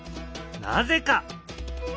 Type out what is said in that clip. なぜか？